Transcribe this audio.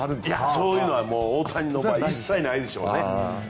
そういうのは大谷は一切ないでしょうね。